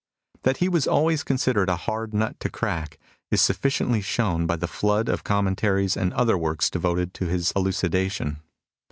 That he was always considered a hard nut to crack is suffi ciently shown by the flood of commentaries and other works devoted to his elucidation.